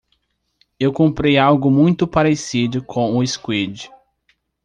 Eu comprei algo muito parecido com o squid.